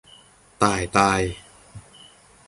ต่ายตาย